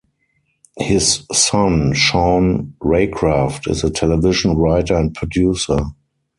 His son Sean Reycraft is a television writer and producer.